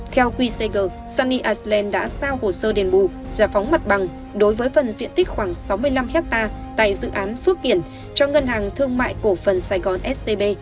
theo quy sager sunny island đã sao hồ sơ đền bù giả phóng mặt bằng đối với phần diện tích khoảng sáu mươi năm ha tại dự án phước kiển cho ngân hàng thương mại cổ phần sài gòn scb